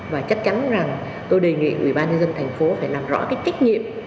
và chắc chắn rằng tôi đề nghị ủy ban nhân dân thành phố phải làm rõ cái trách nhiệm